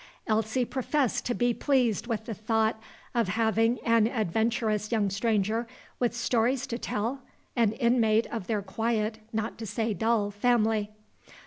Elsie professed to be pleased with the thought of having an adventurous young stranger, with stories to tell, an inmate of their quiet, not to say dull, family.